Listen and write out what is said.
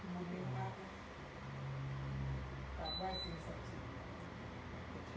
ปีหน้าครบ๑๐ปีแล้วสมควร